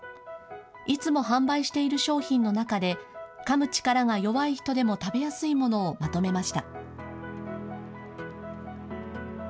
いつも販売している商品の中で、かむ力が弱い人でも食べやすいものをまとめました。